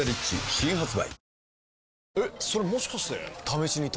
新発売